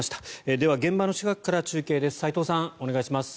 では現場の近くから中継です。